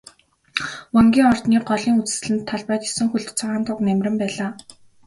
Вангийн ордны голын үзэсгэлэнт талбайд есөн хөлт цагаан туг намиран байлаа.